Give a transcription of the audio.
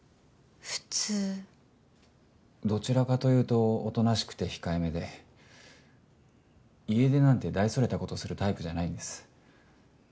どちらかというとおとなしくて控えめで家出なんて大それたことするタイプじゃないんです。